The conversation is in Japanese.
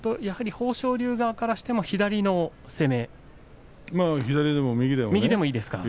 豊昇龍側からしても左の攻めですね。